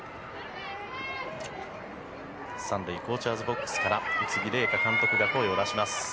３塁コーチャーズボックスから宇津木麗華監督が声を出します。